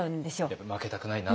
やっぱ負けたくないなとか。